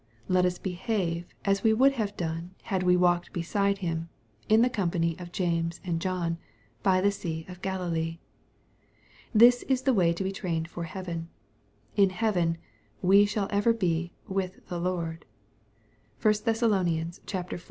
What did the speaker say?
Let us behave as we would have done had we walked beside Him, in the company of James and John, by the sea of Galilee. This is the way to be trained for heaven. In heaven, " wo shall ever be with the Lord,'* (1 Thess. iv. 17.)